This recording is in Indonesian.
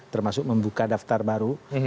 termasuk membuka daftar baru